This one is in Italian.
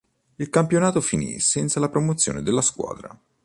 Il campionato finì senza la promozione della squadra.